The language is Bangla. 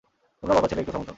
তোমরা বাবা ছেলে একটু থামো তো!